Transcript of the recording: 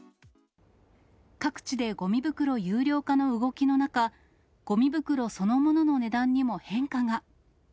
各地でごみ袋有料化の動きの中、ごみ袋そのものの値段にも変化が。